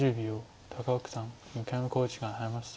高尾九段２回目の考慮時間に入りました。